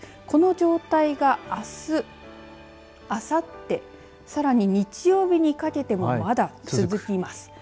この状態が、あすあさってさらに日曜日にかけてもまだ続きます。